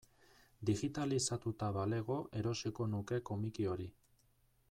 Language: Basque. Digitalizatuta balego erosiko nuke komiki hori.